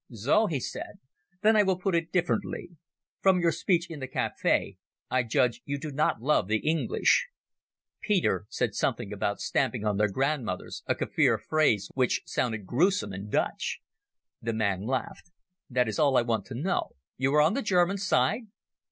"So?" he said. "Then I will put it differently. From your speech in the cafe I judge you do not love the English." Peter said something about stamping on their grandmothers, a Kaffir phrase which sounded gruesome in Dutch. The man laughed. "That is all I want to know. You are on the German side?"